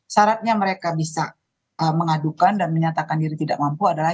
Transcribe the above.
syaratnya mereka bisa mengadukan dan menyatakan diri tidak mampu adalah